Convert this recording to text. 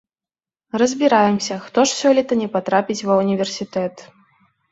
Разбіраемся, хто ж сёлета не патрапіць ва ўніверсітэт.